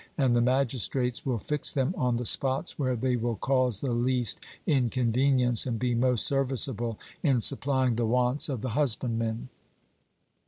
And the magistrates will fix them on the spots where they will cause the least inconvenience and be most serviceable in supplying the wants of the husbandmen.